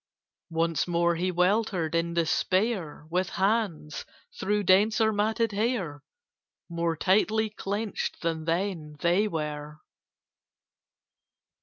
Once more he weltered in despair, With hands, through denser matted hair, More tightly clenched than then they were.